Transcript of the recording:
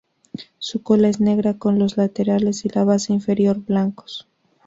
Su cola es negra con los laterales y la base inferior blancos.